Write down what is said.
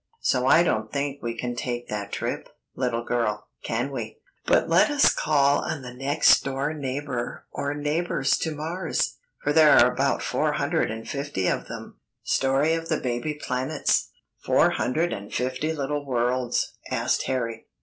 So, I don't think we can take that trip, little girl, can we? But let us call on the next door neighbor or neighbors to Mars, for there are about four hundred and fifty of them." STORY OF THE BABY PLANETS. "Four hundred and fifty little worlds?" asked Harry.